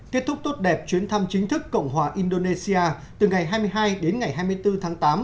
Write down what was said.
kết thúc tốt đẹp chuyến thăm chính thức cộng hòa indonesia từ ngày hai mươi hai đến ngày hai mươi bốn tháng tám